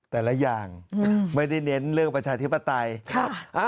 แต่ละอย่างไม่ได้เน้นเรื่องประชาธิปไตย